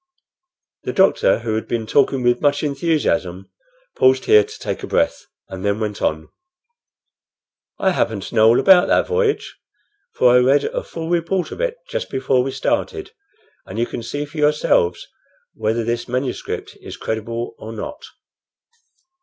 The doctor, who had been talking with much enthusiasm, paused here to take breath, and then went on: "I happen to know all about that voyage, for I read a full report of it just before we started, and you can see for yourselves whether this manuscript is credible or not.